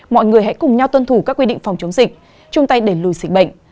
mọi người hãy cùng nhau tuân thủ các quy định phòng chống dịch chung tay đẩy lùi dịch bệnh